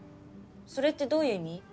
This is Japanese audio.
それってどういう意味？